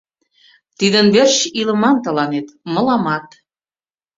Тидын верч илыман тыланет, мыламат